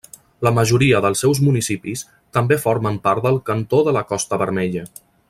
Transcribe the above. La majoria dels seus municipis també formen part del cantó de la Costa Vermella.